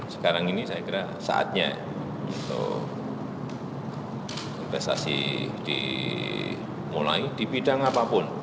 sekarang ini saya kira saatnya untuk investasi dimulai di bidang apapun